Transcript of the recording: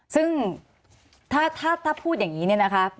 ซึ่งถ้าพูดอย่างนี้นะครับ